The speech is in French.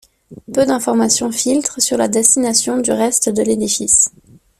Peu d'informations filtrent sur la destination du reste de l'édifice.